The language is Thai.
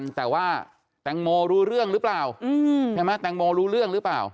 แต่ว่าแตงโมรู้เรื่องหรือเปล่าใช่ไหมแตงโมรู้เรื่องหรือเปล่า